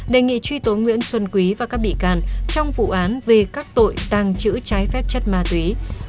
đề nghị truy tố nguyễn xuân quý và các bị can trong vụ án về các tội tàng trữ trái phép chất ma túy